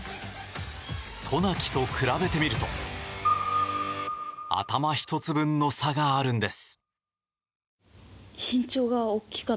渡名喜と比べてみると頭１つ分の差があるんです。